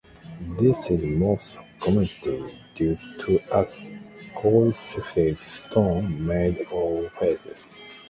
This is most commonly due to a calcified "stone" made of feces.